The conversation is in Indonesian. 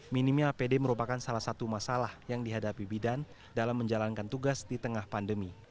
minimnya apd merupakan salah satu masalah yang dihadapi bidan dalam menjalankan tugas di tengah pandemi